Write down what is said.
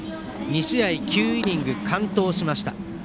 ２試合９イニング完投しました。